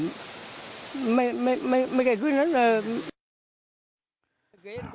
ไม่ใกล้คืนนั้น